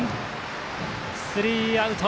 スリーアウト！